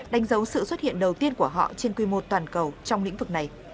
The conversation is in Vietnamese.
đánh dấu sự xuất hiện đầu tiên của họ trên quy mô toàn cầu trong lĩnh vực này